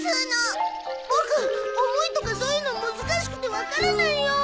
ボク重いとかそういうの難しくてわからないよ。